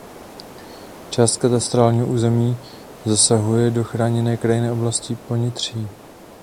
Část katastrálního území zasahuje do Chráněné krajinné oblasti Ponitří.